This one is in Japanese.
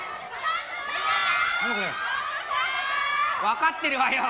分かってるわよ。